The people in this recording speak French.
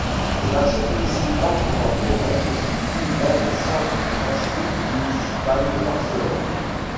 Les Archives municipales contemporaines constituent l'un des centres des Archives municipales de Barcelone.